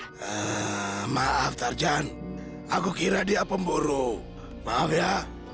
eee maaf tarzan aku kira dia pemburu maaf ya